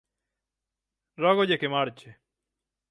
Rógolle que marche.